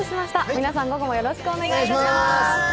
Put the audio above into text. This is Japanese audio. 皆さん、午後もよろしくお願いいたします。